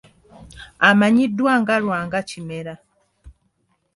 Amannyiddwa nga Lwanga Kimera.